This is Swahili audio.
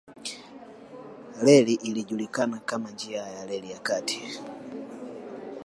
Reli ilijulikana kama njia ya reli ya kati